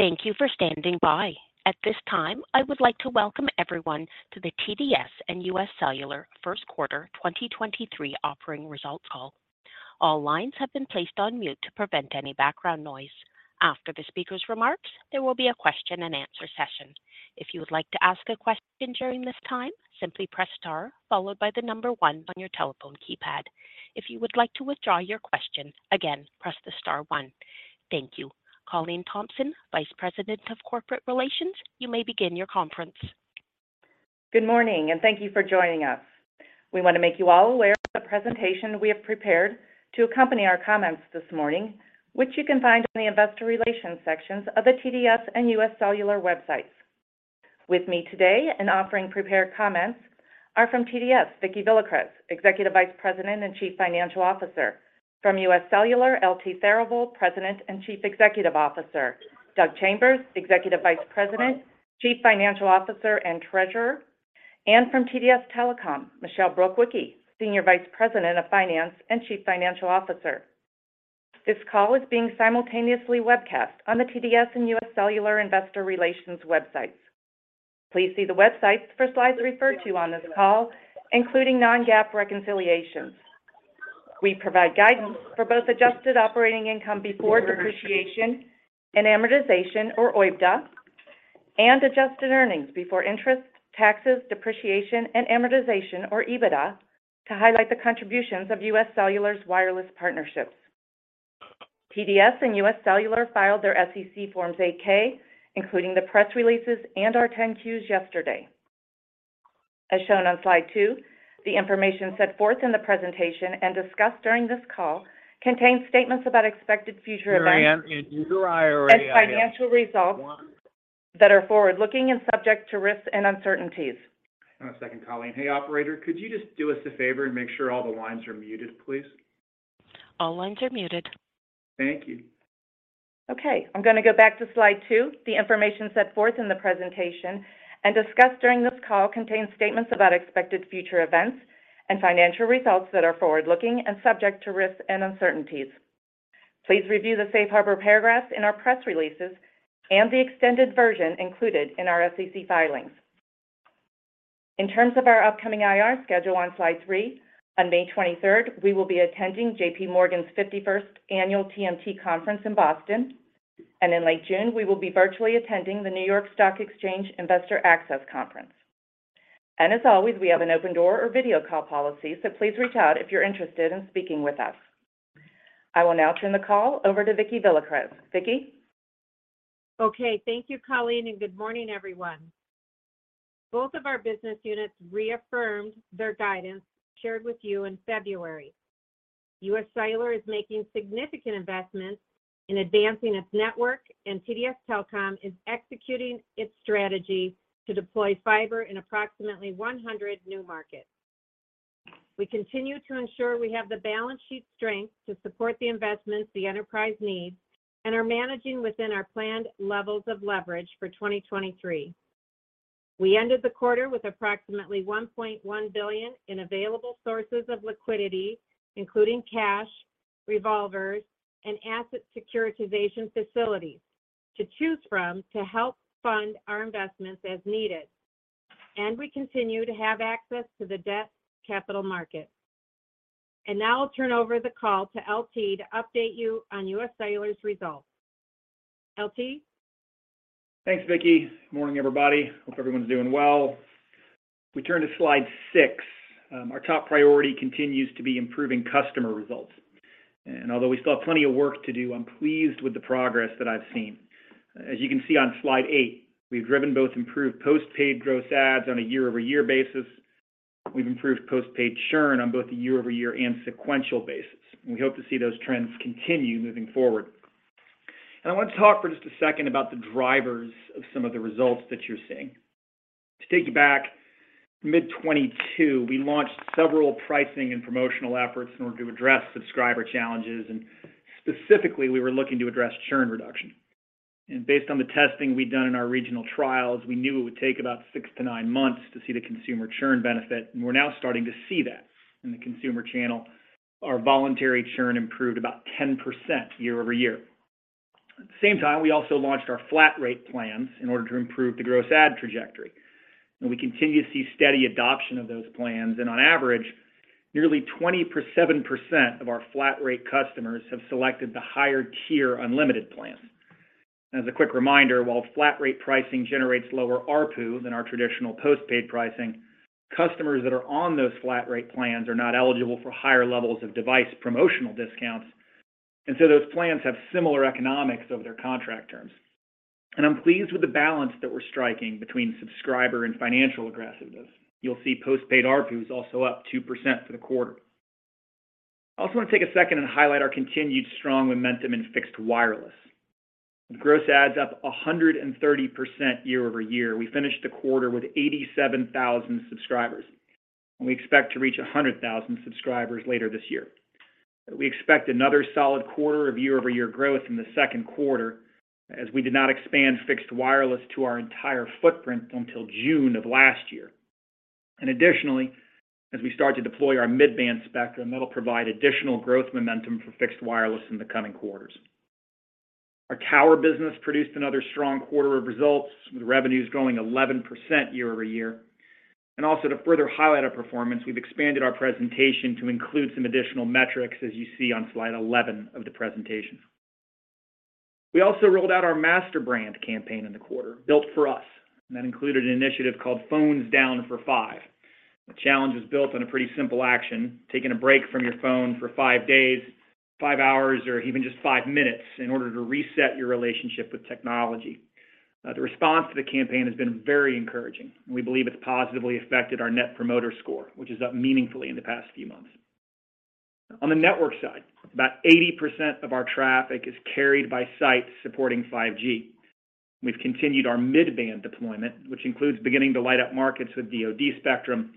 Thank you for standing by. At this time, I would like to welcome everyone to the TDS and UScellular First Quarter 2023 offering results call. All lines have been placed on mute to prevent any background noise. After the speaker's remarks, there will be a question and answer session. If you would like to ask a question during this time, simply press star followed by 1 on your telephone keypad. If you would like to withdraw your question, again, press the star one. Thank you. Colleen Thompson, Vice President of Corporate Relations, you may begin your conference. Good morning, and thank you for joining us. We want to make you all aware of the presentation we have prepared to accompany our comments this morning, which you can find in the investor relations sections of the TDS and UScellular websites. With me today and offering prepared comments are from TDS, Vicki Villacrez, Executive Vice President and Chief Financial Officer. From UScellular, LT Therivel, President and Chief Executive Officer. Doug Chambers, Executive Vice President, Chief Financial Officer, and Treasurer. From TDS Telecom, Michelle Brukwicki, Senior Vice President of Finance and Chief Financial Officer. This call is being simultaneously webcast on the TDS and UScellular Investor Relations websites. Please see the websites for slides referred to on this call, including non-GAAP reconciliations. We provide guidance for both adjusted operating income before depreciation and amortization, or OIBDA, and adjusted earnings before interest, taxes, depreciation, and amortization, or EBITDA, to highlight the contributions of UScellular's wireless partnerships. TDS and UScellular filed their SEC Forms 8-K, including the press releases and our 10-Qs yesterday. As shown on slide two, the information set forth in the presentation and discussed during this call contains statements about expected future events and financial results that are forward-looking and subject to risks and uncertainties. One second, Colleen. Hey, operator, could you just do us a favor and make sure all the lines are muted, please? All lines are muted. Thank you. Okay. I'm going to go back to slide two. The information set forth in the presentation and discussed during this call contains statements about expected future events and financial results that are forward-looking and subject to risks and uncertainties. Please review the safe harbor paragraphs in our press releases and the extended version included in our SEC filings. In terms of our upcoming IR schedule on slide three, on May 23rd, we will be attending JPMorgan's 51st annual TMT conference in Boston. In late June, we will be virtually attending the New York Stock Exchange NYSE Investor Access. As always, we have an open door or video call policy, so please reach out if you're interested in speaking with us. I will now turn the call over to Vicki Villacrez. Vicki? Okay. Thank you, Colleen, and good morning, everyone. Both of our business units reaffirmed their guidance shared with you in February. UScellular is making significant investments in advancing its network, and TDS Telecom is executing its strategy to deploy fiber in approximately 100 new markets. We continue to ensure we have the balance sheet strength to support the investments the enterprise needs and are managing within our planned levels of leverage for 2023. We ended the quarter with approximately $1.1 billion in available sources of liquidity, including cash, revolvers, and asset securitization facilities to choose from to help fund our investments as needed. We continue to have access to the debt capital market. Now I'll turn over the call to LT to update you on UScellular's results. LT? Thanks, Vicki. Morning, everybody. Hope everyone's doing well. We turn to slide six. Our top priority continues to be improving customer results. Although we still have plenty of work to do, I'm pleased with the progress that I've seen. As you can see on slide eight, we've driven both improved postpaid gross adds on a year-over-year basis. We've improved postpaid churn on both a year-over-year and sequential basis. We hope to see those trends continue moving forward. I want to talk for just a second about the drivers of some of the results that you're seeing. To take you back, mid-2022, we launched several pricing and promotional efforts in order to address subscriber challenges, and specifically, we were looking to address churn reduction. Based on the testing we'd done in our regional trials, we knew it would take about six-nine months to see the consumer churn benefit, and we're now starting to see that in the consumer channel. Our voluntary churn improved about 10% year-over-year. At the same time, we also launched our Flat Rate plans in order to improve the gross add trajectory. We continue to see steady adoption of those plans, and on average, nearly 27% of our Flat Rate customers have selected the higher tier unlimited plans. As a quick reminder, while Flat Rate pricing generates lower ARPU than our traditional postpaid pricing, customers that are on those Flat Rate plans are not eligible for higher levels of device promotional discounts. Those plans have similar economics over their contract terms. I'm pleased with the balance that we're striking between subscriber and financial aggressiveness. You'll see postpaid ARPUs also up 2% for the quarter. I also want to take a second and highlight our continued strong momentum in fixed wireless. Gross adds up 130% year-over-year. We finished the quarter with 87,000 subscribers. We expect to reach 100,000 subscribers later this year. We expect another solid quarter of year-over-year growth in the second quarter, as we did not expand fixed wireless to our entire footprint until June of last year. Additionally, as we start to deploy our mid-band spectrum, that'll provide additional growth momentum for fixed wireless in the coming quarters. Our tower business produced another strong quarter of results, with revenues growing 11% year-over-year. Also to further highlight our performance, we've expanded our presentation to include some additional metrics, as you see on slide 11 of the presentation. We also rolled out our master brand campaign in the quarter, Built For US, and that included an initiative called PhonesDownFor5. The challenge was built on a pretty simple action, taking a break from your phone for 5 days, 5 hours, or even just 5 minutes in order to reset your relationship with technology. The response to the campaign has been very encouraging. We believe it's positively affected our Net Promoter Score, which is up meaningfully in the past few months. On the network side, about 80% of our traffic is carried by sites supporting 5G. We've continued our mid-band deployment, which includes beginning to light up markets with DOD spectrum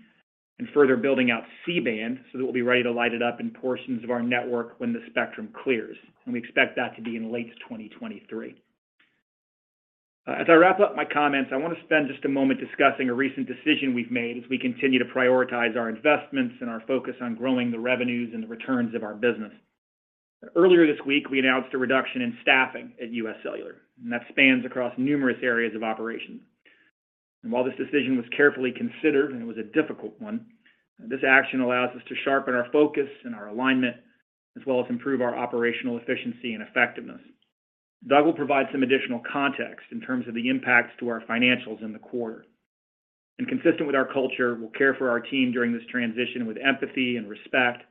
and further building out C-band so that we'll be ready to light it up in portions of our network when the spectrum clears, and we expect that to be in late 2023. As I wrap up my comments, I want to spend just a moment discussing a recent decision we've made as we continue to prioritize our investments and our focus on growing the revenues and the returns of our business. Earlier this week, we announced a reduction in staffing at UScellular, that spans across numerous areas of operations. While this decision was carefully considered, and it was a difficult one, this action allows us to sharpen our focus and our alignment as well as improve our operational efficiency and effectiveness. Doug will provide some additional context in terms of the impacts to our financials in the quarter. Consistent with our culture, we'll care for our team during this transition with empathy and respect.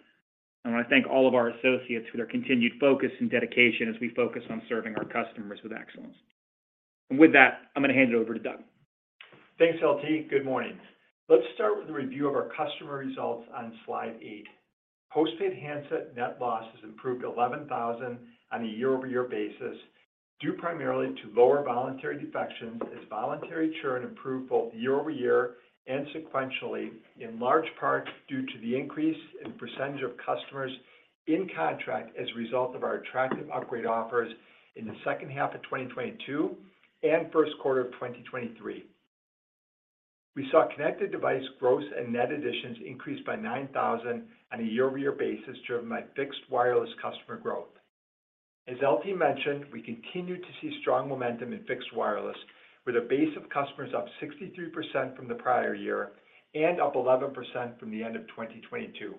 I want to thank all of our associates for their continued focus and dedication as we focus on serving our customers with excellence. With that, I'm going to hand it over to Doug. Thanks, LT Good morning. Let's start with a review of our customer results on slide eight. postpaid handset net loss has improved 11,000 on a year-over-year basis due primarily to lower voluntary defections as voluntary churn improved both year-over-year and sequentially, in large part due to the increase in percentage of customers in contract as a result of our attractive upgrade offers in the second half of 2022 and first quarter of 2023. We saw connected device gross and net additions increase by 9,000 on a year-over-year basis driven by fixed wireless customer growth. As LT mentioned, we continued to see strong momentum in fixed wireless with a base of customers up 63% from the prior year and up 11% from the end of 2022.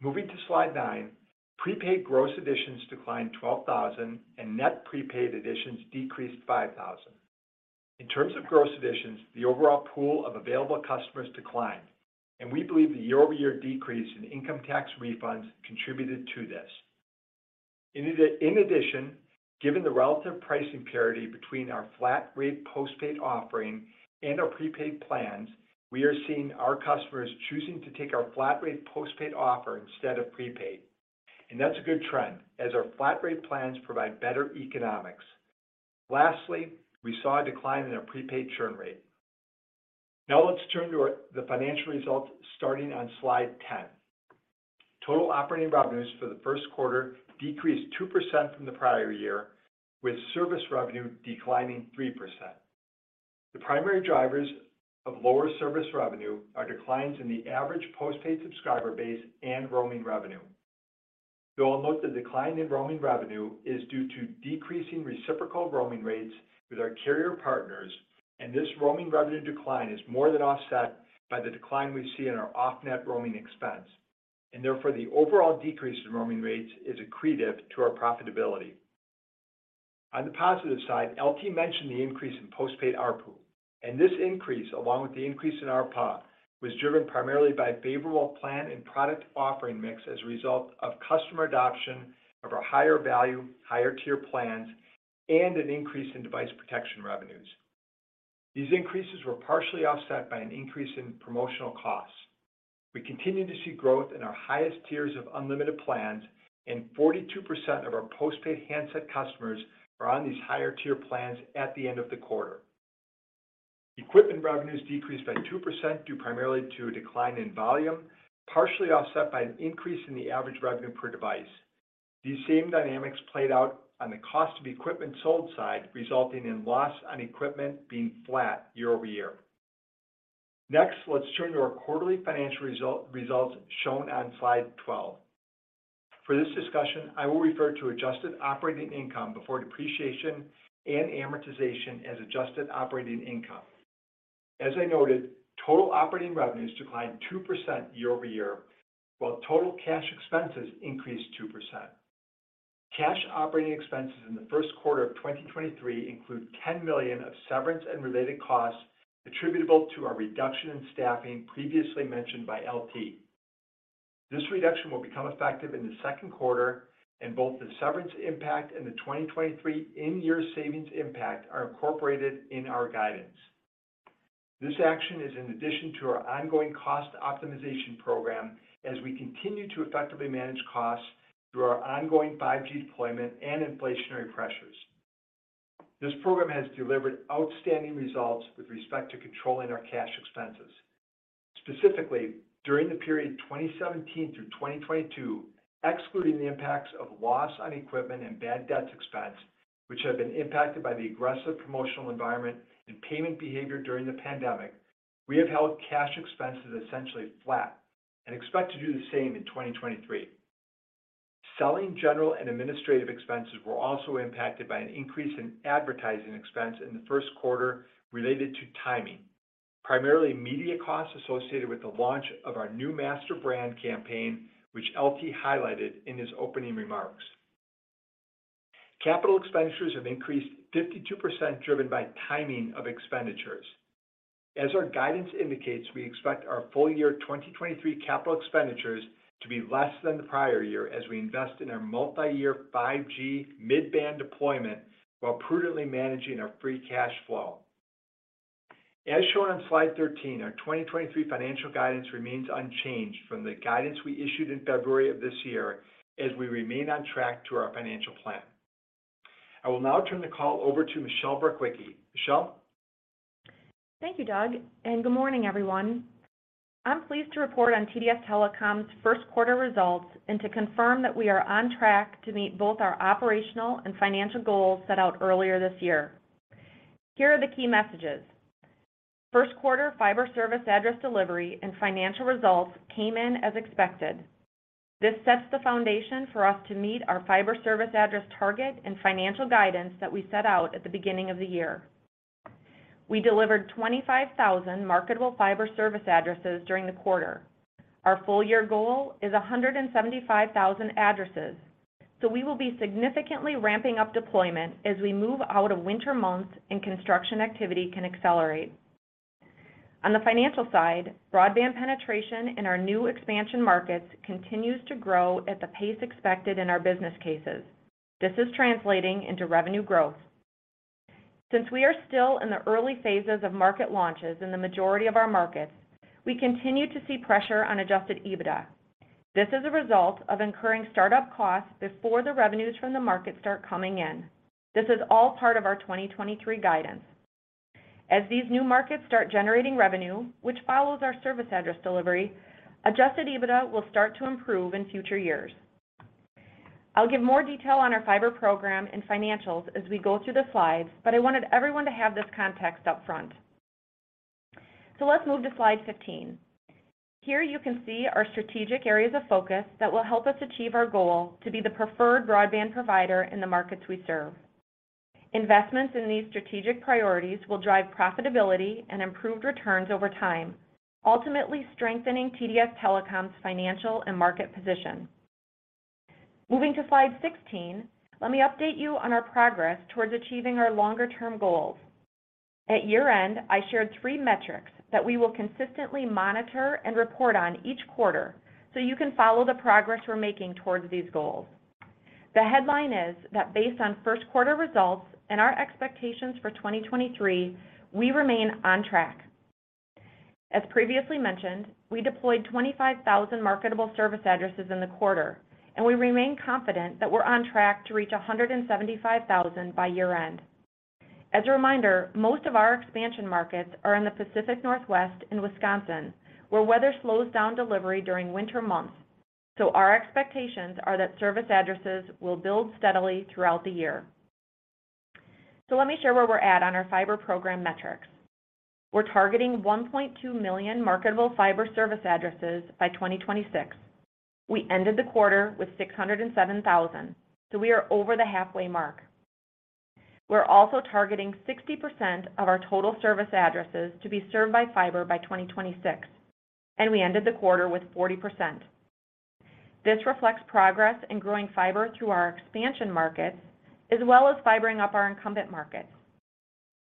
Moving to slide nine, prepaid gross additions declined 12,000 and net prepaid additions decreased 5,000. In terms of gross additions, the overall pool of available customers declined, and we believe the year-over-year decrease in income tax refunds contributed to this. In addition, given the relative pricing parity between our Flat Rate postpaid offering and our prepaid plans, we are seeing our customers choosing to take our Flat Rate postpaid offer instead of prepaid. That's a good trend as our Flat Rate plans provide better economics. Lastly, we saw a decline in our prepaid churn rate. Now let's turn to the financial results starting on slide 10. Total operating revenues for the first quarter decreased 2% from the prior year, with service revenue declining 3%. The primary drivers of lower service revenue are declines in the average postpaid subscriber base and roaming revenue. You'll note the decline in roaming revenue is due to decreasing reciprocal roaming rates with our carrier partners. This roaming revenue decline is more than offset by the decline we see in our off-net roaming expense. Therefore, the overall decrease in roaming rates is accretive to our profitability. On the positive side, LT mentioned the increase in postpaid ARPU. This increase, along with the increase in ARPA, was driven primarily by favorable plan and product offering mix as a result of customer adoption of our higher value, higher tier plans and an increase in device protection revenues. These increases were partially offset by an increase in promotional costs. We continue to see growth in our highest tiers of unlimited plans. 42% of our postpaid handset customers are on these higher tier plans at the end of the quarter. Equipment revenues decreased by 2% due primarily to a decline in volume, partially offset by an increase in the average revenue per device. These same dynamics played out on the cost of equipment sold side, resulting in loss on equipment being flat year-over-year. Let's turn to our quarterly financial results shown on slide 12. For this discussion, I will refer to adjusted operating income before depreciation and amortization as adjusted operating income. As I noted, total operating revenues declined 2% year-over-year, while total cash expenses increased 2%. Cash operating expenses in the first quarter of 2023 include $10 million of severance and related costs attributable to our reduction in staffing previously mentioned by LT. This reduction will become effective in the second quarter, and both the severance impact and the 2023 in-year savings impact are incorporated in our guidance. This action is in addition to our ongoing cost optimization program as we continue to effectively manage costs through our ongoing 5G deployment and inflationary pressures. This program has delivered outstanding results with respect to controlling our cash expenses. Specifically, during the period 2017 through 2022, excluding the impacts of loss on equipment and bad debts expense, which have been impacted by the aggressive promotional environment and payment behavior during the pandemic, we have held cash expenses essentially flat and expect to do the same in 2023. Selling, general, and administrative expenses were also impacted by an increase in advertising expense in the first quarter related to timing, primarily media costs associated with the launch of our new master brand campaign, which LT highlighted in his opening remarks. Capital expenditures have increased 52% driven by timing of expenditures. As our guidance indicates, we expect our full year 2023 capital expenditures to be less than the prior year as we invest in our multi-year 5G mid-band deployment while prudently managing our free cash flow. As shown on slide 13, our 2023 financial guidance remains unchanged from the guidance we issued in February of this year as we remain on track to our financial plan. I will now turn the call over to Michelle Brukwicki. Michelle? Thank you, Doug, and good morning, everyone. I'm pleased to report on TDS Telecom's first quarter results and to confirm that we are on track to meet both our operational and financial goals set out earlier this year. Here are the key messages. First quarter fiber service address delivery and financial results came in as expected. This sets the foundation for us to meet our fiber service address target and financial guidance that we set out at the beginning of the year. We delivered 25,000 marketable fiber service addresses during the quarter. Our full year goal is 175,000 addresses. We will be significantly ramping up deployment as we move out of winter months and construction activity can accelerate. On the financial side, broadband penetration in our new expansion markets continues to grow at the pace expected in our business cases. This is translating into revenue growth. Since we are still in the early phases of market launches in the majority of our markets, we continue to see pressure on adjusted EBITDA. This is a result of incurring startup costs before the revenues from the market start coming in. This is all part of our 2023 guidance. As these new markets start generating revenue, which follows our service address delivery, adjusted EBITDA will start to improve in future years. I'll give more detail on our fiber program and financials as we go through the slides, but I wanted everyone to have this context up front. Let's move to slide 15. Here you can see our strategic areas of focus that will help us achieve our goal to be the preferred broadband provider in the markets we serve. Investments in these strategic priorities will drive profitability and improved returns over time, ultimately strengthening TDS Telecom's financial and market position. Moving to slide 16, let me update you on our progress towards achieving our longer term goals. At year-end, I shared three metrics that we will consistently monitor and report on each quarter, so you can follow the progress we're making towards these goals. The headline is that based on first quarter results and our expectations for 2023, we remain on track. As previously mentioned, we deployed 25,000 marketable service addresses in the quarter, and we remain confident that we're on track to reach 175,000 by year-end. As a reminder, most of our expansion markets are in the Pacific Northwest and Wisconsin, where weather slows down delivery during winter months. Our expectations are that service addresses will build steadily throughout the year. Let me share where we're at on our fiber program metrics. We're targeting 1.2 million marketable fiber service addresses by 2026. We ended the quarter with 607,000, we are over the halfway mark. We're also targeting 60% of our total service addresses to be served by fiber by 2026, we ended the quarter with 40%. This reflects progress in growing fiber through our expansion markets, as well as fibering up our incumbent markets.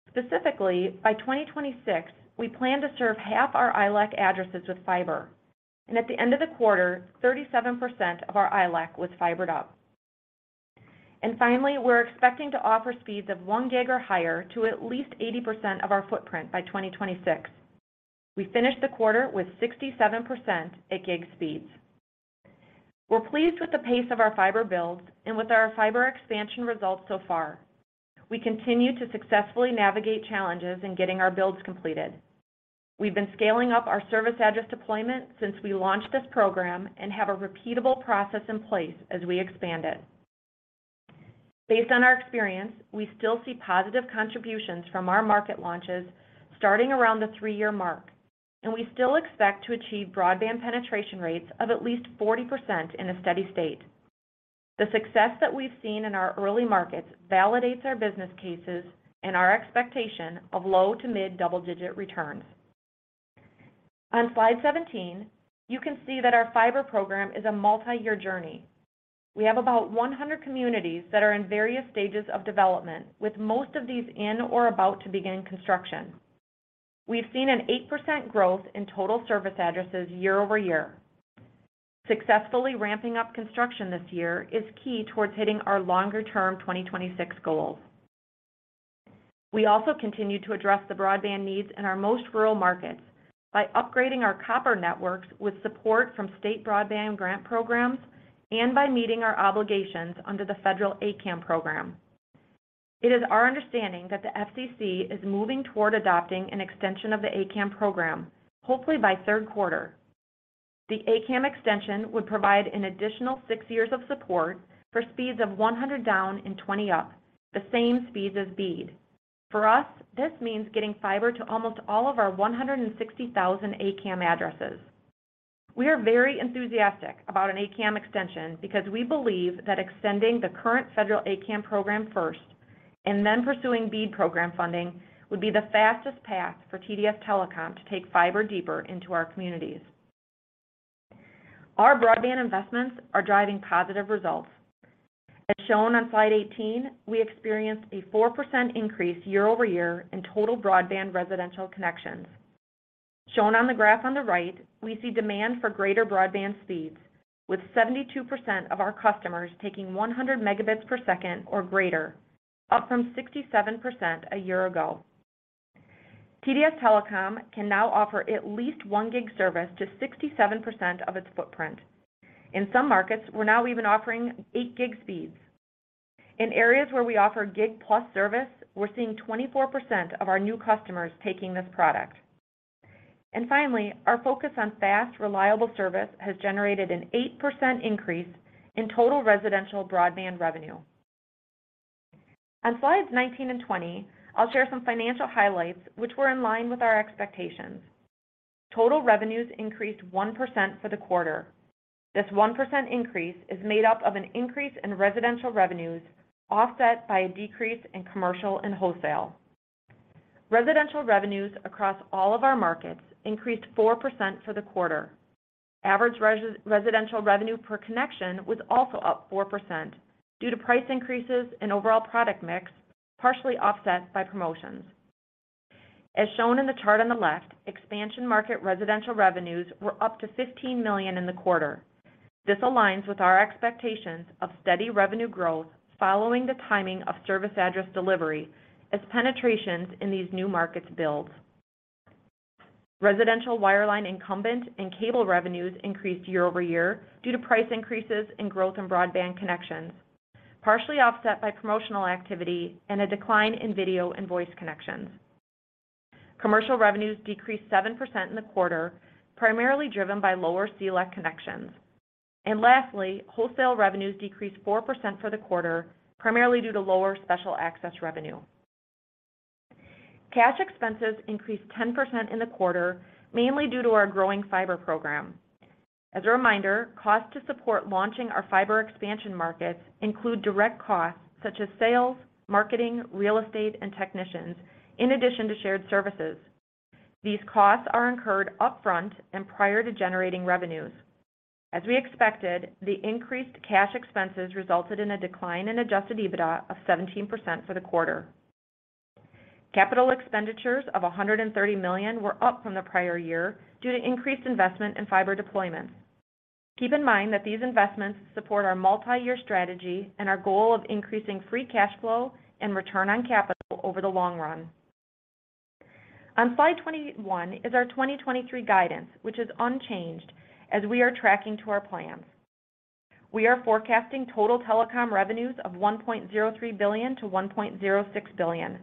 Specifically, by 2026, we plan to serve half our ILEC addresses with fiber, at the end of the quarter, 37% of our ILEC was fibered up. Finally, we're expecting to offer speeds of 1 gig or higher to at least 80% of our footprint by 2026. We finished the quarter with 67% at gig speeds. We're pleased with the pace of our fiber builds and with our fiber expansion results so far. We continue to successfully navigate challenges in getting our builds completed. We've been scaling up our service address deployment since we launched this program and have a repeatable process in place as we expand it. Based on our experience, we still see positive contributions from our market launches starting around the three-year mark, and we still expect to achieve broadband penetration rates of at least 40% in a steady state. The success that we've seen in our early markets validates our business cases and our expectation of low to mid double-digit returns. On slide 17, you can see that our fiber program is a multi-year journey. We have about 100 communities that are in various stages of development, with most of these in or about to begin construction. We've seen an 8% growth in total service addresses year-over-year. Successfully ramping up construction this year is key towards hitting our longer-term 2026 goals. We also continue to address the broadband needs in our most rural markets by upgrading our copper networks with support from state broadband grant programs and by meeting our obligations under the federal A-CAM program. It is our understanding that the FCC is moving toward adopting an extension of the A-CAM program, hopefully by third quarter. The A-CAM extension would provide an additional six years of support for speeds of 100 down and 20 up, the same speeds as BEAD. For us, this means getting fiber to almost all of our 160,000 A-CAM addresses. We are very enthusiastic about an A-CAM extension because we believe that extending the current federal A-CAM program first and then pursuing BEAD program funding would be the fastest path for TDS Telecom to take fiber deeper into our communities. Our broadband investments are driving positive results. As shown on slide 18, we experienced a 4% increase year-over-year in total broadband residential connections. Shown on the graph on the right, we see demand for greater broadband speeds with 72% of our customers taking 100 Mbps or greater, up from 67% a year ago. TDS Telecom can now offer at least one gig service to 67% of its footprint. In some markets, we're now even offering 8 gig speeds. In areas where we offer gig plus service, we're seeing 24% of our new customers taking this product. Finally, our focus on fast, reliable service has generated an 8% increase in total residential broadband revenue. On slides 19 and 20, I'll share some financial highlights which were in line with our expectations. Total revenues increased 1% for the quarter. This 1% increase is made up of an increase in residential revenues, offset by a decrease in commercial and wholesale. Residential revenues across all of our markets increased 4% for the quarter. Average residential revenue per connection was also up 4% due to price increases and overall product mix, partially offset by promotions. As shown in the chart on the left, expansion market residential revenues were up to $15 million in the quarter. This aligns with our expectations of steady revenue growth following the timing of service address delivery as penetrations in these new markets build. Residential wireline incumbent and cable revenues increased year-over-year due to price increases and growth in broadband connections, partially offset by promotional activity and a decline in video and voice connections. Commercial revenues decreased 7% in the quarter, primarily driven by lower CLEC connections. Lastly, wholesale revenues decreased 4% for the quarter, primarily due to lower special access revenue. Cash expenses increased 10% in the quarter, mainly due to our growing fiber program. As a reminder, costs to support launching our fiber expansion markets include direct costs such as sales, marketing, real estate, and technicians, in addition to shared services. These costs are incurred upfront and prior to generating revenues. As we expected, the increased cash expenses resulted in a decline in adjusted EBITDA of 17% for the quarter. Capital expenditures of $130 million were up from the prior year due to increased investment in fiber deployments. Keep in mind that these investments support our multiyear strategy and our goal of increasing free cash flow and return on capital over the long run. On slide 21 is our 2023 guidance, which is unchanged as we are tracking to our plans. We are forecasting total telecom revenues of $1.03 billion-1.06 billion.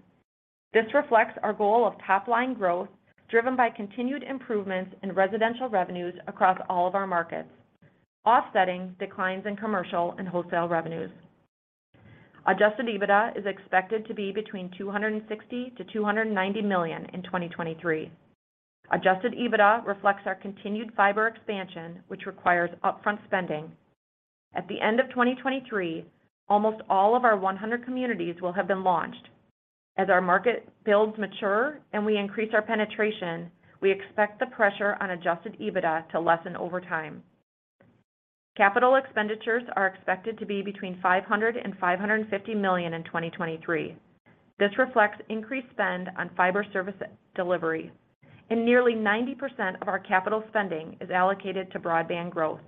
This reflects our goal of top line growth, driven by continued improvements in residential revenues across all of our markets, offsetting declines in commercial and wholesale revenues. Adjusted EBITDA is expected to be between $260 million-290 million in 2023. Adjusted EBITDA reflects our continued fiber expansion, which requires upfront spending. At the end of 2023, almost all of our 100 communities will have been launched. As our market builds mature and we increase our penetration, we expect the pressure on adjusted EBITDA to lessen over time. Capital expenditures are expected to be between $500 million-550 million in 2023. Nearly 90% of our capital spending is allocated to broadband growth.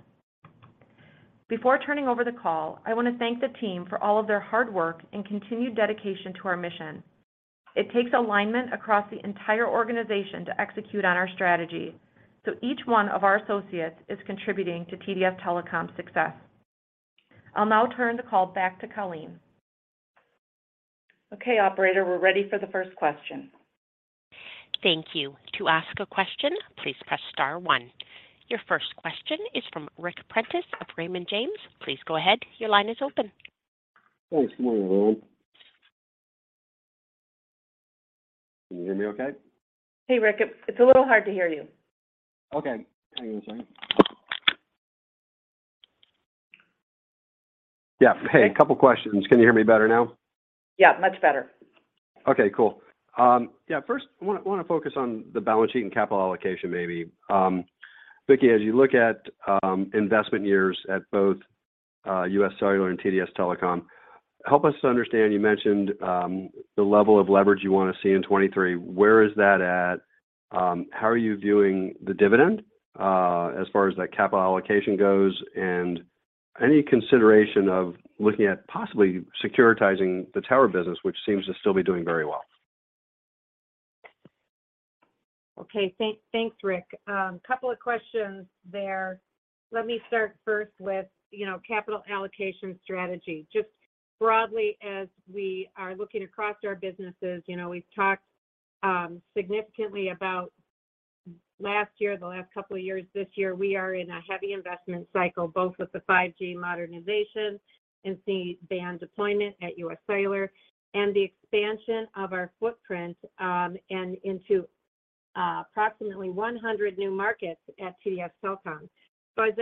Before turning over the call, I want to thank the team for all of their hard work and continued dedication to our mission. It takes alignment across the entire organization to execute on our strategy, so each one of our associates is contributing to TDS Telecom's success. I'll now turn the call back to Colleen. Okay, operator, we're ready for the first question. Thank you. To ask a question, please press star one. Your first question is from Ric Prentiss of Raymond James. Please go ahead. Your line is open. Thanks. Good morning, everyone. Can you hear me okay? Hey, Ric. It's a little hard to hear you. Okay. Hang on a second. Yeah. Hey, a couple questions. Can you hear me better now? Yeah, much better. First I wanna focus on the balance sheet and capital allocation, maybe. Vicki, as you look at investment years at both UScellular and TDS Telecom, help us to understand, you mentioned the level of leverage you wanna see in 2023. Where is that at? How are you viewing the dividend as far as that capital allocation goes, and any consideration of looking at possibly securitizing the tower business, which seems to still be doing very well? Okay. Thanks, Ric. Couple of questions there. Let me start first with, you know, capital allocation strategy. Just broadly as we are looking across our businesses, you know, we've talked significantly about last year, the last couple of years. This year we are in a heavy investment cycle, both with the 5G modernization and C-band deployment at UScellular and the expansion of our footprint and into approximately 100 new markets at TDS Telecom. As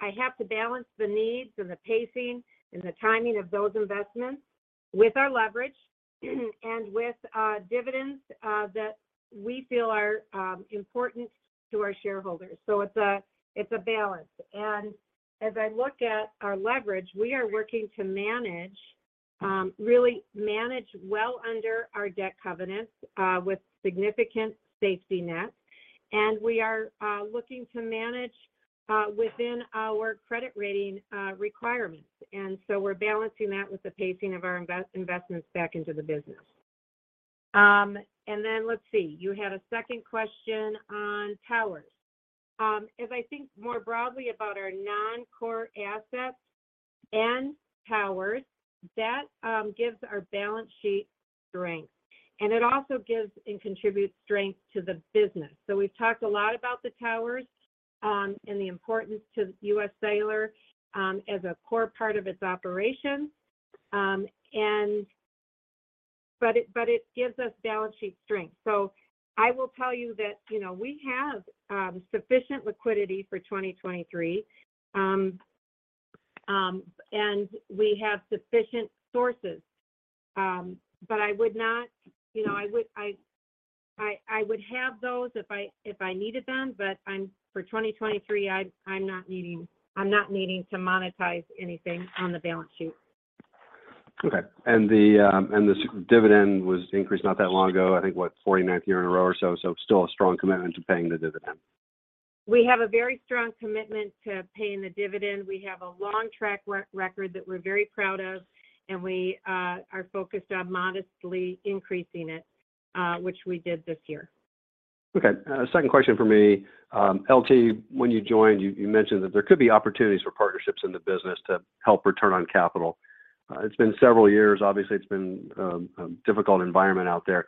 I have to balance the needs and the pacing and the timing of those investments with our leverage and with dividends that we feel are important to our shareholders. It's a balance. As I look at our leverage, we are working to manage really manage well under our debt covenants with significant safety net. We are looking to manage within our credit rating requirements. We're balancing that with the pacing of our investments back into the business. Let's see. You had a second question on towers. As I think more broadly about our non-core assets and towers, that gives our balance sheet strength, and it also gives and contributes strength to the business. We've talked a lot about the towers, and the importance to UScellular as a core part of its operation. But it gives us balance sheet strength. I will tell you that, you know, we have sufficient liquidity for 2023, and we have sufficient sources. I would not, you know, I would, I would have those if I, if I needed them, but for 2023, I'm not needing, I'm not needing to monetize anything on the balance sheet. Okay. This dividend was increased not that long ago, I think, what? 49th year in a row or so still a strong commitment to paying the dividend. We have a very strong commitment to paying the dividend. We have a long track record that we're very proud of, and we are focused on modestly increasing it, which we did this year. Second question for me. LT, when you joined, you mentioned that there could be opportunities for partnerships in the business to help return on capital. It's been several years. Obviously, it's been a difficult environment out there.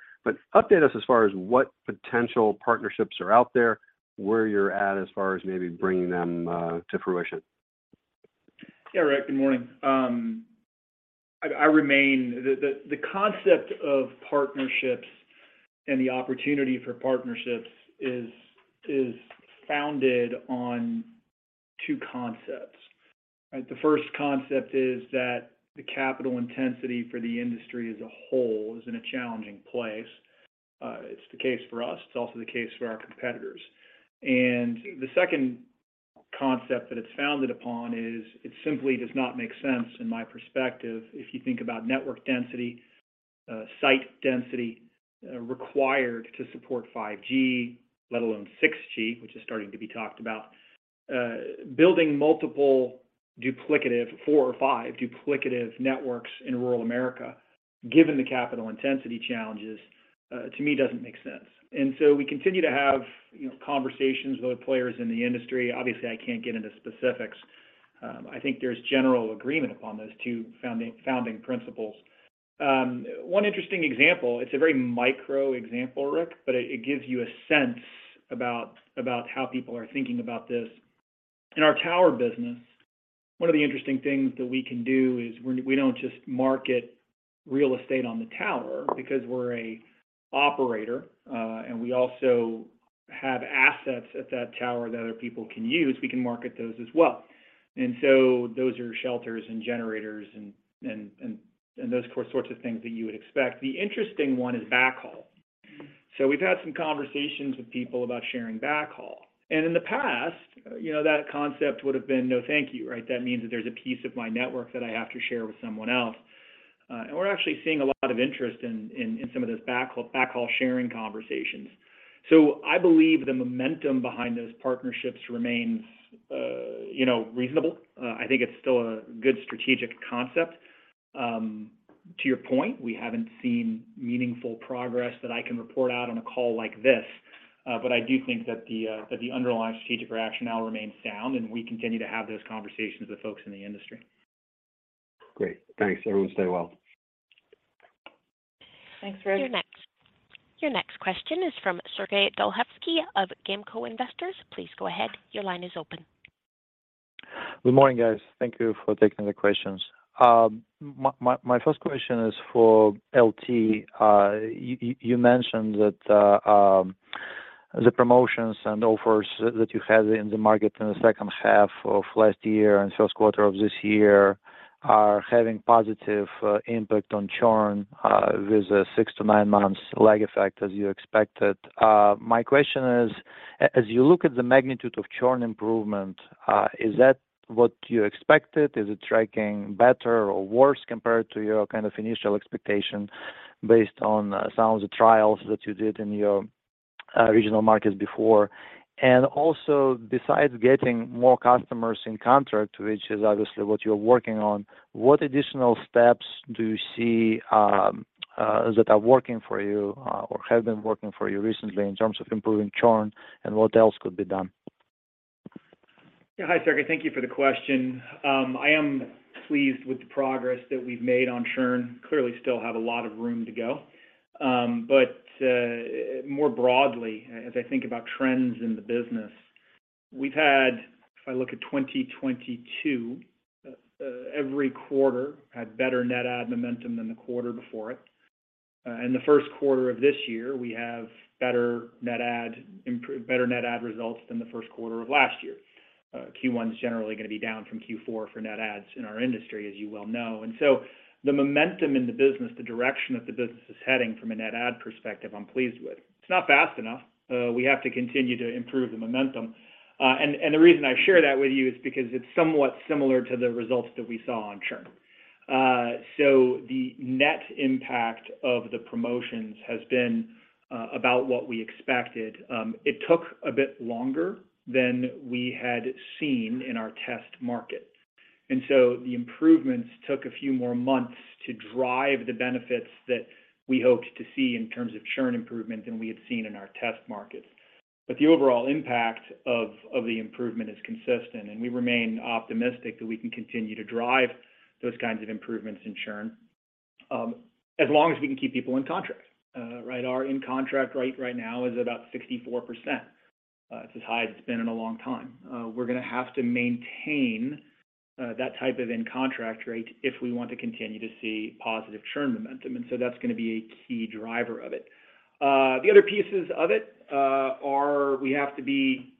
Update us as far as what potential partnerships are out there, where you're at as far as maybe bringing them to fruition? Yeah, Ric, good morning. I remain. The concept of partnerships and the opportunity for partnerships is founded on two concepts, right? The first concept is that the capital intensity for the industry as a whole is in a challenging place. It's the case for us. It's also the case for our competitors. The second concept that it's founded upon is it simply does not make sense in my perspective if you think about network density, site density, required to support 5G, let alone 6G, which is starting to be talked about. Building multiple duplicative, four or five duplicative networks in rural America, given the capital intensity challenges, to me doesn't make sense. We continue to have, you know, conversations with players in the industry. Obviously, I can't get into specifics. I think there's general agreement upon those two founding principles. One interesting example, it's a very micro example, Ric, but it gives you a sense about how people are thinking about this. In our tower business, one of the interesting things that we can do is we don't just market real estate on the tower because we're a operator, and we also have assets at that tower that other people can use. We can market those as well. Those are shelters and generators and those core sorts of things that you would expect. The interesting one is backhaul. We've had some conversations with people about sharing backhaul. In the past, you know, that concept would have been, "No, thank you," right? That means that there's a piece of my network that I have to share with someone else. We're actually seeing a lot of interest in some of those backhaul sharing conversations. I believe the momentum behind those partnerships remains, you know, reasonable. I think it's still a good strategic concept. To your point, we haven't seen meaningful progress that I can report out on a call like this. I do think that the, that the underlying strategic rationale remains sound, and we continue to have those conversations with folks in the industry. Great. Thanks. Everyone stay well. Thanks, Ric. Your next question is from Sergey Dluzhevskiy of GAMCO Investors. Please go ahead. Your line is open. Good morning, guys. Thank you for taking the questions. My first question is for LT. You mentioned that the promotions and offers that you had in the market in the second half of last year and first quarter of this year are having positive impact on churn with a six-nine months lag effect as you expected. My question is, as you look at the magnitude of churn improvement, is that what you expected? Is it tracking better or worse compared to your kind of initial expectation based on some of the trials that you did in your regional markets before? Also, besides getting more customers in contract, which is obviously what you're working on, what additional steps do you see that are working for you, or have been working for you recently in terms of improving churn, and what else could be done? Hi, Sergey. Thank you for the question. I am pleased with the progress that we've made on churn. Clearly still have a lot of room to go. More broadly, as I think about trends in the business, If I look at 2022, every quarter had better net add momentum than the quarter before it. In the 1st quarter of this year, we have better net add results than the 1st quarter of last year. Q1 is generally going to be down from Q4 for net adds in our industry, as you well know. The momentum in the business, the direction that the business is heading from a net add perspective, I'm pleased with. It's not fast enough. We have to continue to improve the momentum. The reason I share that with you is because it's somewhat similar to the results that we saw on churn. The net impact of the promotions has been about what we expected. It took a bit longer than we had seen in our test market, the improvements took a few more months to drive the benefits that we hoped to see in terms of churn improvement than we had seen in our test markets. The overall impact of the improvement is consistent, and we remain optimistic that we can continue to drive those kinds of improvements in churn as long as we can keep people in contract. Right. Our in-contract rate right now is about 64%. It's as high as it's been in a long time. We're going to have to maintain that type of in-contract rate if we want to continue to see positive churn momentum, and so that's going to be a key driver of it. The other pieces of it are we have to be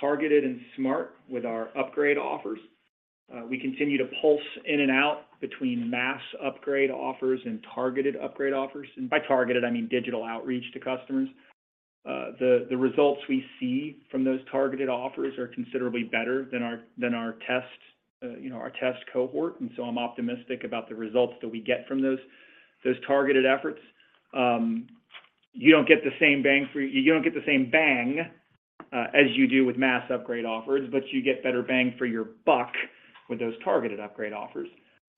targeted and smart with our upgrade offers. We continue to pulse in and out between mass upgrade offers and targeted upgrade offers. By targeted, I mean digital outreach to customers. The results we see from those targeted offers are considerably better than our test, you know, our test cohort. I'm optimistic about the results that we get from those targeted efforts. You don't get the same bang as you do with mass upgrade offers, but you get better bang for your buck with those targeted upgrade offers.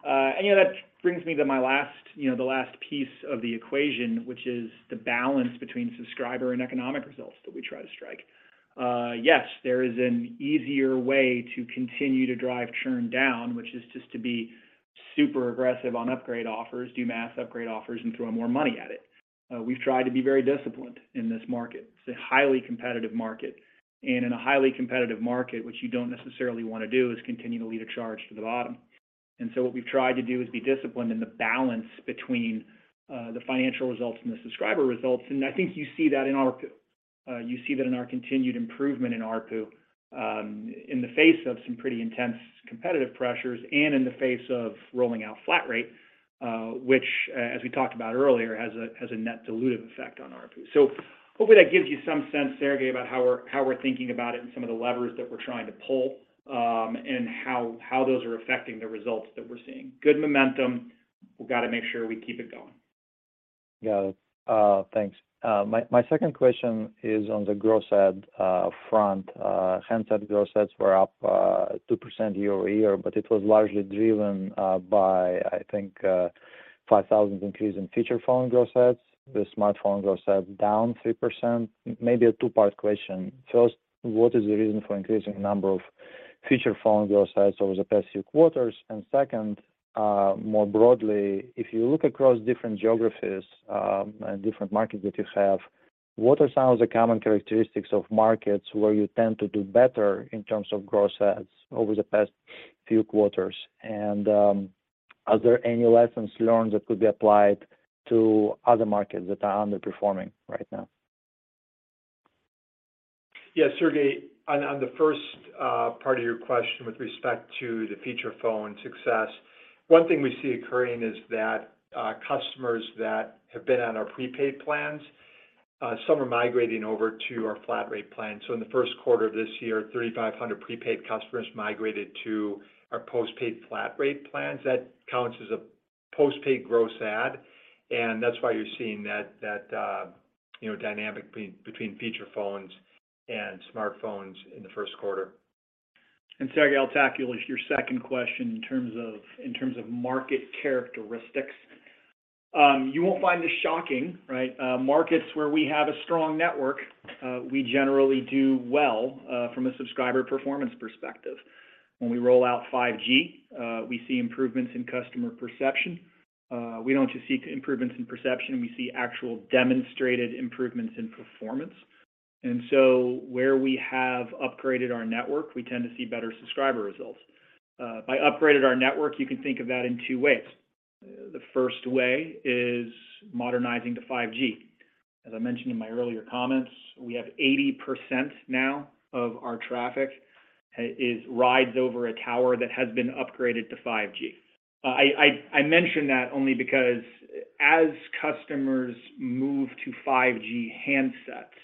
You know, that brings me to my last, you know, the last piece of the equation, which is the balance between subscriber and economic results that we try to strike. Yes, there is an easier way to continue to drive churn down, which is just to be super aggressive on upgrade offers, do mass upgrade offers, and throw more money at it. We've tried to be very disciplined in this market. It's a highly competitive market, and in a highly competitive market, what you don't necessarily want to do is continue to lead a charge to the bottom. What we've tried to do is be disciplined in the balance between the financial results and the subscriber results. I think you see that in ARPU. You see that in our continued improvement in ARPU in the face of some pretty intense competitive pressures and in the face of rolling out Flat Rate, which, as we talked about earlier, has a net dilutive effect on ARPU. Hopefully that gives you some sense, Sergey, about how we're thinking about it and some of the levers that we're trying to pull, and how those are affecting the results that we're seeing. Good momentum. We've got to make sure we keep it going. Got it. Thanks. My second question is on the gross add front. Handset gross adds were up 2% year-over-year, but it was largely driven by, I think, 5,000 increase in feature phone gross adds. The smartphone gross add down 3%. Maybe a two-part question. First, what is the reason for increasing number of feature phone gross adds over the past few quarters? Second, more broadly, if you look across different geographies and different markets that you have, what are some of the common characteristics of markets where you tend to do better in terms of gross adds over the past few quarters? Are there any lessons learned that could be applied to other markets that are underperforming right now? Yeah, Sergey, on the first part of your question with respect to the feature phone success, one thing we see occurring is that customers that have been on our prepaid plans, some are migrating over to our Flat Rate plan. In the first quarter of this year, 3,500 prepaid customers migrated to our postpaid Flat Rate plans. That counts as a postpaid gross add, that's why you're seeing that, you know, dynamic between feature phones and smartphones in the first quarter. Sergey, I'll tackle your second question in terms of market characteristics. You won't find this shocking, right? Markets where we have a strong network, we generally do well from a subscriber performance perspective. When we roll out 5G, we see improvements in customer perception. We don't just see improvements in perception. We see actual demonstrated improvements in performance. Where we have upgraded our network, we tend to see better subscriber results. By upgraded our network, you can think of that in two ways. The first way is modernizing to 5G. As I mentioned in my earlier comments, we have 80% now of our traffic rides over a tower that has been upgraded to 5G. I mention that only because as customers move to 5G handsets,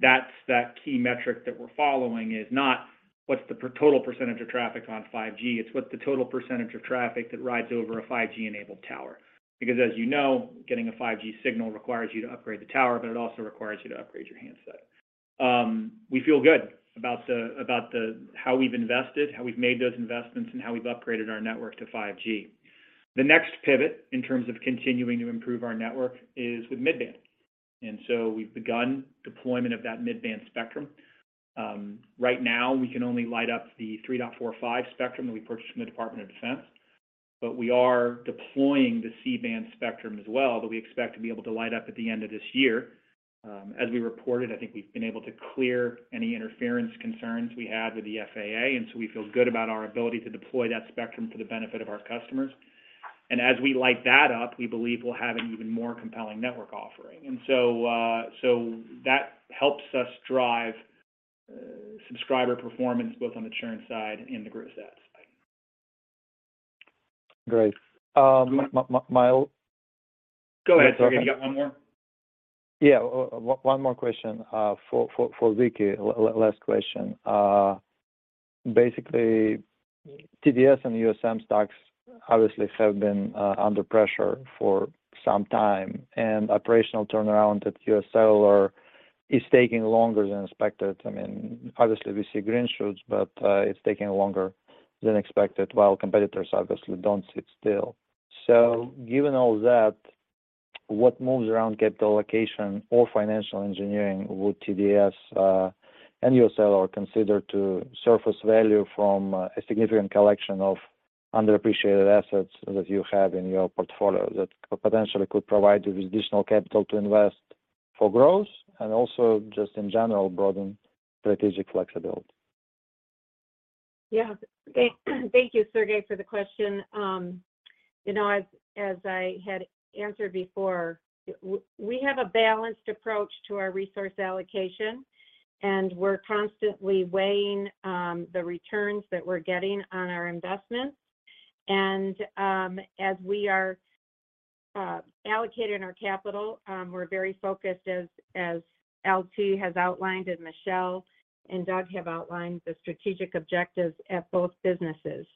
that's that key metric that we're following is not what's the total percentage of traffic on 5G. It's what the total percentage of traffic that rides over a 5G-enabled tower. As you know, getting a 5G signal requires you to upgrade the tower, but it also requires you to upgrade your handset. We feel good about the how we've invested, how we've made those investments, and how we've upgraded our network to 5G. The next pivot in terms of continuing to improve our network is with mid-band. So we've begun deployment of that mid-band spectrum. Right now we can only light up the 3.45 spectrum that we purchased from the Department of Defense. We are deploying the C-band spectrum as well, that we expect to be able to light up at the end of this year. As we reported, I think we've been able to clear any interference concerns we had with the FAA. We feel good about our ability to deploy that spectrum for the benefit of our customers. As we light that up, we believe we'll have an even more compelling network offering. So that helps us drive subscriber performance both on the churn side and the gross adds side. Great. my... Go ahead, Sergey. You got one more? Yeah. One more question for Vicki. Last question. Basically, TDS and USM stocks obviously have been under pressure for some time, and operational turnaround at UScellular is taking longer than expected. I mean, obviously we see green shoots, but it's taking longer than expected, while competitors obviously don't sit still. Given all that, what moves around capital allocation or financial engineering would TDS and UScellular consider to surface value from a significant collection of underappreciated assets that you have in your portfolio that potentially could provide you with additional capital to invest for growth and also just in general broaden strategic flexibility? Yeah. Thank you, Sergey, for the question. You know, as I had answered before, we have a balanced approach to our resource allocation, and we're constantly weighing the returns that we're getting on our investments. As we are allocating our capital, we're very focused as LT has outlined and Michelle, and Doug have outlined the strategic objectives at both businesses.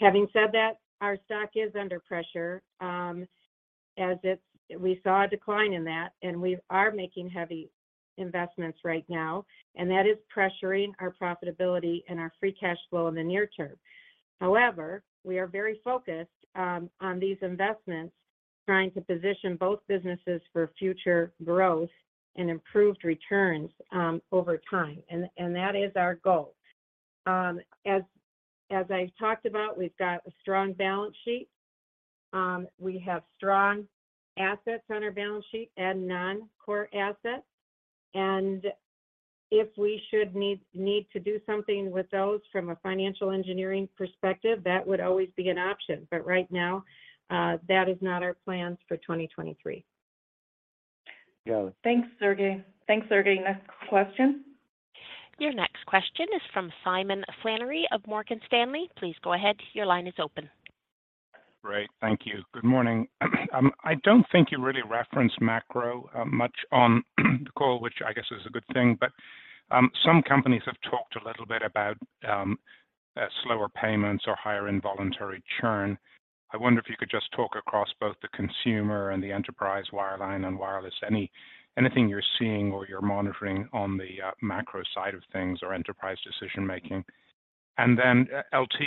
Having said that, our stock is under pressure, as we saw a decline in that, and we are making heavy investments right now, and that is pressuring our profitability and our free cash flow in the near term. However, we are very focused on these investments, trying to position both businesses for future growth and improved returns over time. And that is our goal. As, as I've talked about, we've got a strong balance sheet. We have strong assets on our balance sheet and non-core assets. If we should need to do something with those from a financial engineering perspective, that would always be an option. Right now, that is not our plans for 2023. Got it. Thanks, Sergey. Thanks, Sergey. Next question. Your next question is from Simon Flannery of Morgan Stanley. Please go ahead. Your line is open. Great. Thank you. Good morning. I don't think you really referenced macro much on the call, which I guess is a good thing. Some companies have talked a little bit about slower payments or higher involuntary churn. I wonder if you could just talk across both the consumer and the enterprise wireline and wireless, anything you're seeing or you're monitoring on the macro side of things or enterprise decision-making. LT,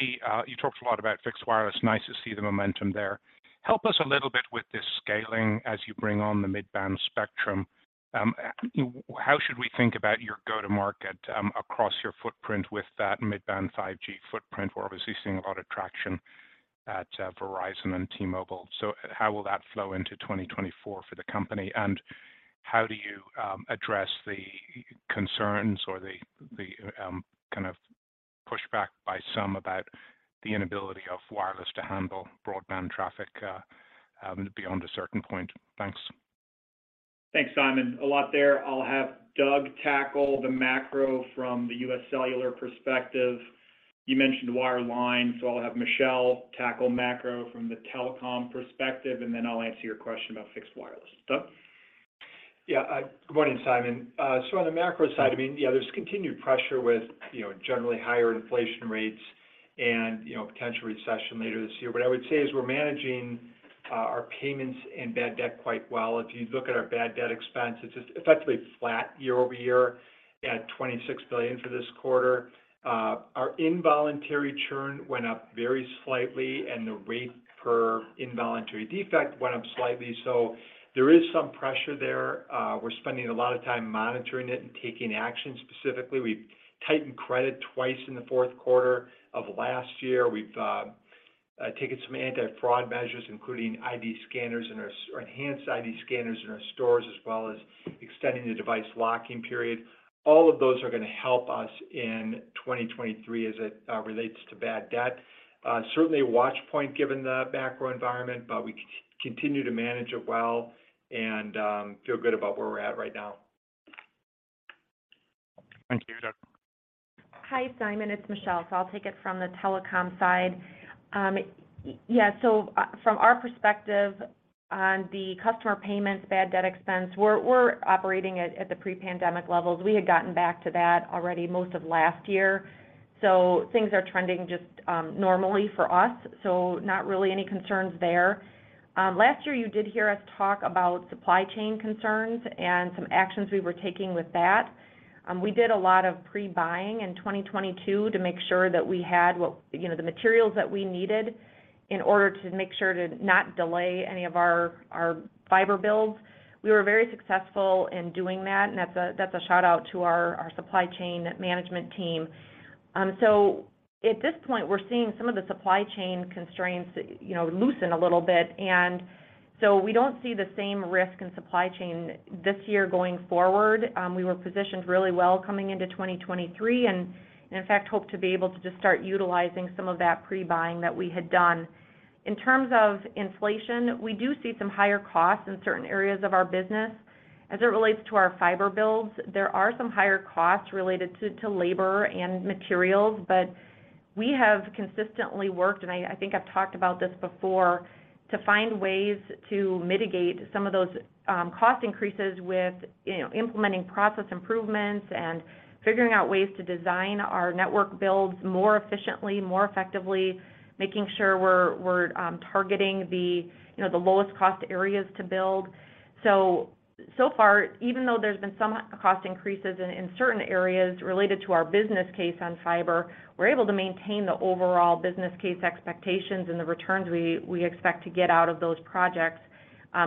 you talked a lot about fixed wireless. Nice to see the momentum there. Help us a little bit with this scaling as you bring on the mid-band spectrum. How should we think about your go-to-market across your footprint with that mid-band 5G footprint? We're obviously seeing a lot of traction at Verizon and T-Mobile. How will that flow into 2024 for the company? How do you address the concerns or the kind of pushback by some about the inability of wireless to handle broadband traffic beyond a certain point? Thanks. Thanks, Simon. A lot there. I'll have Doug tackle the macro from the UScellular perspective. You mentioned wireline, so I'll have Michelle tackle macro from the telecom perspective, and then I'll answer your question about fixed wireless. Doug? Yeah. Good morning, Simon. On the macro side, I mean, yeah, there's continued pressure with, you know, generally higher inflation rates and, you know, potential recession later this year. I would say as we're managing our payments and bad debt quite well. If you look at our bad debt expense, it's effectively flat year-over-year at $26 million for this quarter. Our involuntary churn went up very slightly, and the rate per involuntary defect went up slightly. There is some pressure there. We're spending a lot of time monitoring it and taking action. Specifically, we've tightened credit twice in the fourth quarter of last year. We've taken some anti-fraud measures, including enhanced ID scanners in our stores, as well as extending the device locking period. All of those are going to help us in 2023 as it relates to bad debt. Certainly a watch point given the macro environment, but we continue to manage it well and feel good about where we're at right now. Thank you, Doug. Hi, Simon. It's Michelle. I'll take it from the telecom side. Yeah, from our perspective on the customer payments, bad debt expense, we're operating at the pre-pandemic levels. We had gotten back to that already most of last year. Things are trending just normally for us, so not really any concerns there. Last year you did hear us talk about supply chain concerns and some actions we were taking with that. We did a lot of pre-buying in 2022 to make sure that we had what, you know, the materials that we needed in order to make sure to not delay any of our fiber builds. We were very successful in doing that, and that's a shout-out to our supply chain management team. At this point, we're seeing some of the supply chain constraints, you know, loosen a little bit. We don't see the same risk in supply chain this year going forward. We were positioned really well coming into 2023, and in fact, hope to be able to just start utilizing some of that pre-buying that we had done. In terms of inflation, we do see some higher costs in certain areas of our business. As it relates to our fiber builds, there are some higher costs related to labor and materials. We have consistently worked, and I think I've talked about this before, to find ways to mitigate some of those cost increases with, you know, implementing process improvements and figuring out ways to design our network builds more efficiently, more effectively, making sure we're targeting the, you know, the lowest cost areas to build. So far, even though there's been some cost increases in certain areas related to our business case on fiber, we're able to maintain the overall business case expectations and the returns we expect to get out of those projects,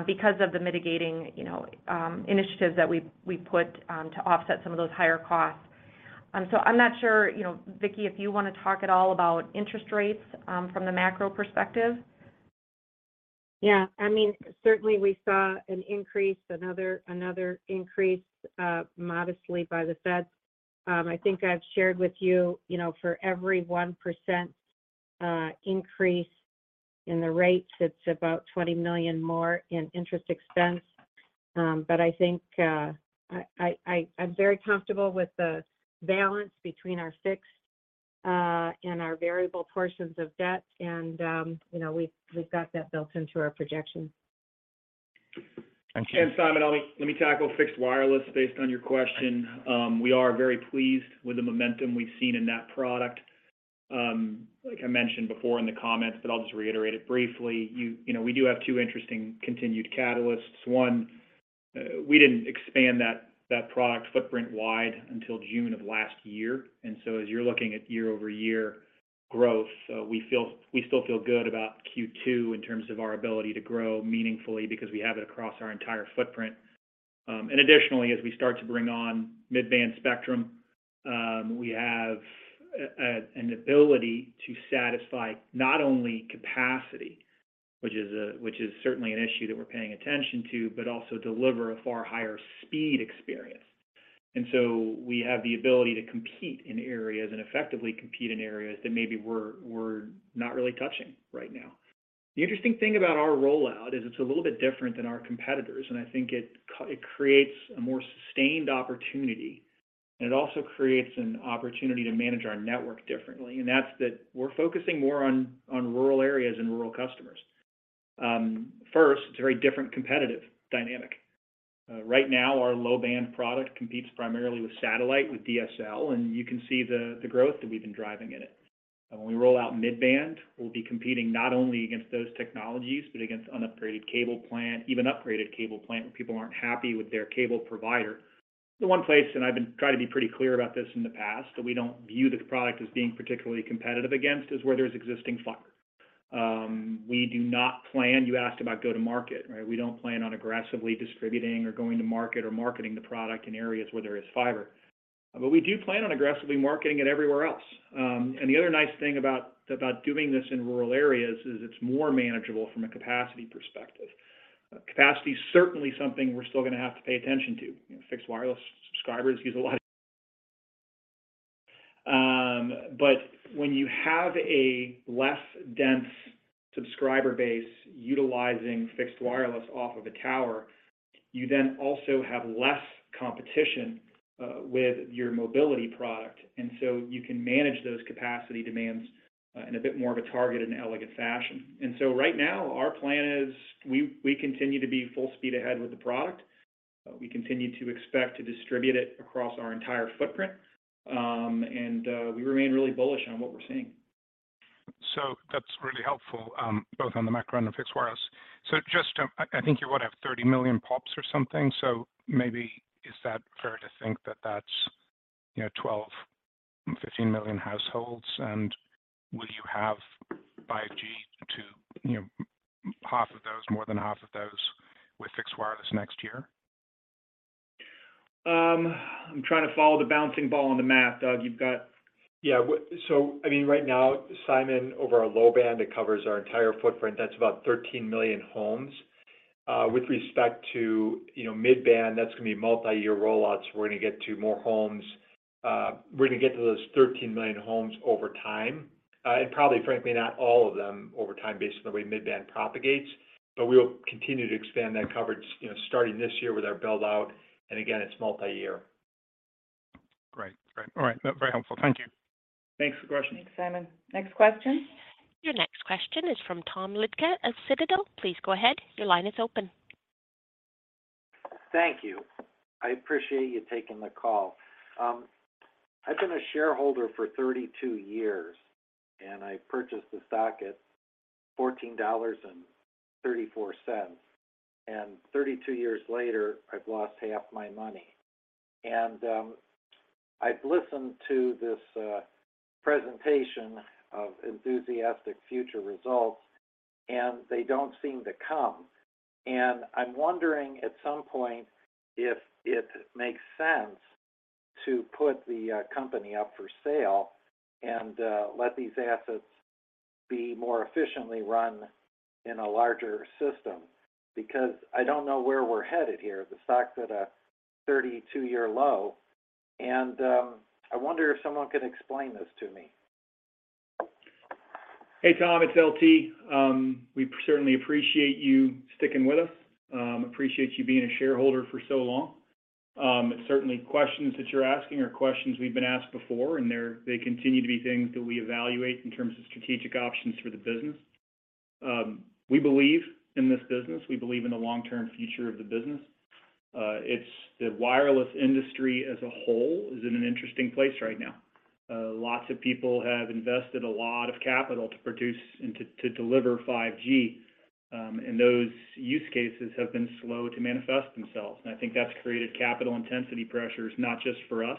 because of the mitigating, you know, initiatives that we put to offset some of those higher costs. I'm not sure, you know, Vicki, if you want to talk at all about interest rates from the macro perspective? Yeah. I mean, certainly we saw another increase, modestly by the Feds. I think I've shared with you know, for every 1% increase in the rates, it's about $20 million more in interest expense. I think I'm very comfortable with the balance between our fixed and our variable portions of debt and, you know, we've got that built into our projections. Thank you. Simon, let me tackle fixed wireless based on your question. We are very pleased with the momentum we've seen in that product. Like I mentioned before in the comments, but I'll just reiterate it briefly. You know, we do have 2 interesting continued catalysts. One, we didn't expand that product footprint wide until June of last year. As you're looking at year-over-year growth, we still feel good about Q2 in terms of our ability to grow meaningfully because we have it across our entire footprint. Additionally, as we start to bring on mid-band spectrum, we have an ability to satisfy not only capacity, which is certainly an issue that we're paying attention to, but also deliver a far higher speed experience. We have the ability to compete in areas and effectively compete in areas that maybe we're not really touching right now. The interesting thing about our rollout is it's a little bit different than our competitors, and I think it creates a more sustained opportunity, and it also creates an opportunity to manage our network differently. That's that we're focusing more on rural areas and rural customers. First, it's a very different competitive dynamic. Right now, our low-band product competes primarily with satellite, with DSL, and you can see the growth that we've been driving in it. When we roll out mid-band, we'll be competing not only against those technologies, but against unupgraded cable plant, even upgraded cable plant, where people aren't happy with their cable provider. The one place, and I've been trying to be pretty clear about this in the past, that we don't view the product as being particularly competitive against is where there's existing fiber. You asked about go to market, right? We don't plan on aggressively distributing or going to market or marketing the product in areas where there is fiber. We do plan on aggressively marketing it everywhere else. And the other nice thing about doing this in rural areas is it's more manageable from a capacity perspective. Capacity is certainly something we're still going to have to pay attention to. You know, fixed wireless subscribers use a lot of. But when you have a less dense subscriber base utilizing fixed wireless off of a tower, you then also have less competition with your mobility product, and so you can manage those capacity demands in a bit more of a targeted and elegant fashion. Right now, our plan is we continue to be full speed ahead with the product. We continue to expect to distribute it across our entire footprint. We remain really bullish on what we're seeing. That's really helpful, both on the macro and the fixed wireless. Just, I think you would have 30 million pops or something. Maybe is that fair to think that that's, you know, 12, 15 million households? Will you have 5G to, you know, half of those, more than half of those with fixed wireless next year? I'm trying to follow the bouncing ball on the math, Doug, you've got? Yeah. I mean, right now, Simon, over our low band, it covers our entire footprint. That's about 13 million homes. With respect to, you know, mid-band, that's going to be multi-year rollouts. We're going to get to more homes. We're going to get to those 13 million homes over time. Probably, frankly, not all of them over time based on the way mid-band propagates. We will continue to expand that coverage, you know, starting this year with our build-out. Again, it's multi-year. Great. Great. All right. No, very helpful. Thank you. Thanks for the question. Thanks, Simon. Next question. Your next question is from Tom Litzke of Citadel. Please go ahead. Your line is open. Thank you. I appreciate you taking the call. I've been a shareholder for 32 years. I purchased the stock at $14.34. And 32 years later, I've lost half my money. I've listened to this presentation of enthusiastic future results. They don't seem to come. I'm wondering at some point if it makes sense to put the company up for sale and let these assets be more efficiently run in a larger system, because I don't know where we're headed here. The stock's at a 32-year low. I wonder if someone could explain this to me. Hey, Tom Litzke, it's LT. We certainly appreciate you sticking with us. Appreciate you being a shareholder for so long. Certainly questions that you're asking are questions we've been asked before, and they continue to be things that we evaluate in terms of strategic options for the business. We believe in this business. We believe in the long-term future of the business. It's the wireless industry as a whole is in an interesting place right now. Lots of people have invested a lot of capital to produce and to deliver 5G, and those use cases have been slow to manifest themselves, and I think that's created capital intensity pressures, not just for us,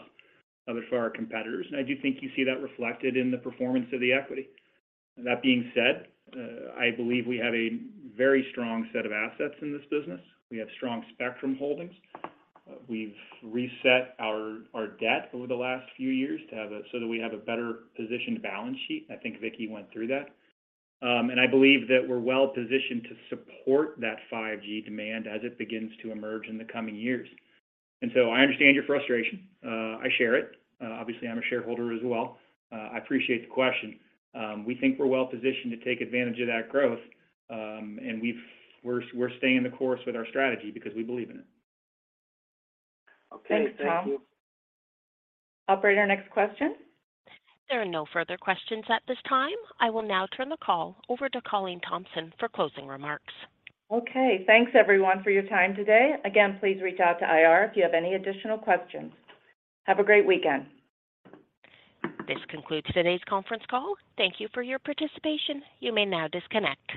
but for our competitors. I do think you see that reflected in the performance of the equity. That being said, I believe we have a very strong set of assets in this business. We have strong spectrum holdings. We've reset our debt over the last few years so that we have a better positioned balance sheet. I think Vicki went through that. I believe that we're well-positioned to support that 5G demand as it begins to emerge in the coming years. I understand your frustration. I share it. Obviously, I'm a shareholder as well. I appreciate the question. We think we're well-positioned to take advantage of that growth, we're staying the course with our strategy because we believe in it. Okay. Thank you. Thanks, Tom. Operator, next question. There are no further questions at this time. I will now turn the call over to Colleen Thompson for closing remarks. Okay. Thanks everyone for your time today. Please reach out to IR if you have any additional questions. Have a great weekend. This concludes today's conference call. Thank you for your participation. You may now disconnect.